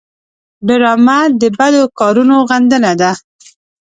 ډرامه د بدو کارونو غندنه کوي